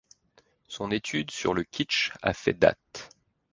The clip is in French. Son étude sur le kitsch a fait date.